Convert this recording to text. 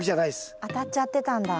当たっちゃってたんだ。